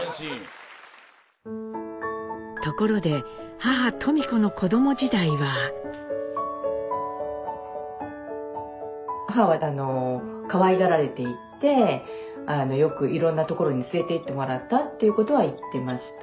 ところで母登美子の子ども時代は。母はあのかわいがられていてよくいろんな所に連れていってもらったっていうことは言ってました。